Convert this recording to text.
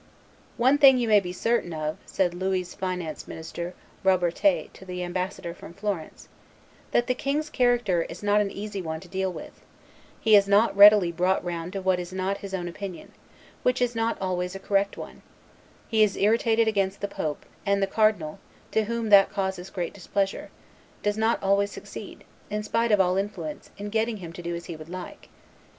"One thing you may be certain of," said Louis's finance minister Robertet to the ambassador from Florence, "that the king's character is not an easy one to deal with; he is not readily brought round to what is not his own opinion, which is not always a correct one; he is irritated against the pope; and the cardinal, to whom that causes great displeasure, does not always succeed, in spite of all influence, in getting him to do as he would like.